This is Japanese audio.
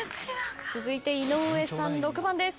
続いて井上さん６番です。